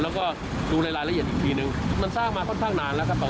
แล้วก็ดูในรายละเอียดอีกทีนึงมันสร้างมาค่อนข้างนานแล้วครับผม